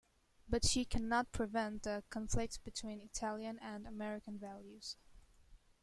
But she cannot prevent the conflict between Italian and American values.